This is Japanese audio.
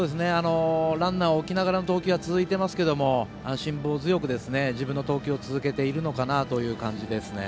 ランナーを置きながらの投球が続いていますが辛抱強く自分の投球を続けているのかなという感じです。